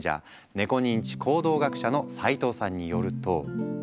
ネコ認知行動学者の齋藤さんによると。